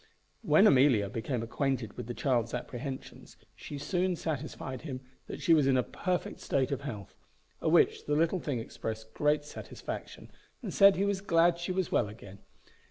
When Amelia became acquainted with the child's apprehensions, she soon satisfied him that she was in a perfect state of health; at which the little thing expressed great satisfaction, and said he was glad she was well again.